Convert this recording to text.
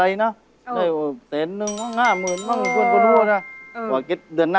แล้วคุณเชิญแขกไปกี่คน